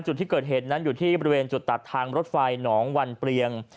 จุดที่เกิดเหตุนั้นอยู่ที่บริเวณจุดตัดทางรถไฟหนองวันเปลียง